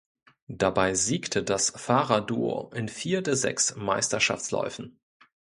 Dabei siegte das Fahrerduo in vier der sechs Meisterschaftsläufen.